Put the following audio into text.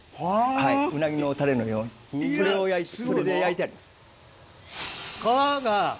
うなぎのタレのようにそれで焼いてあります。